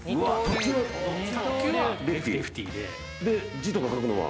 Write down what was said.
字とか書くのは？